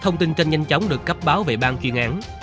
thông tin trên nhanh chóng được cấp báo về bang chuyên án